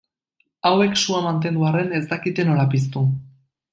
Hauek sua mantendu arren, ez dakite nola piztu.